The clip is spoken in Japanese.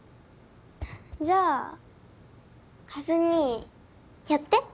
じゃあ和兄やって。